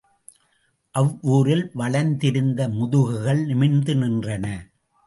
அவ்வூரில் வளைந்திருந்த முதுகுகள் நிமிர்ந்து நின்றன.